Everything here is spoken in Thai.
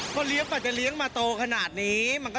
พอเลี้ยงกว่าจะเลี้ยงมาโตขนาดนี้